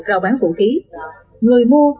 rau bán vũ khí người mua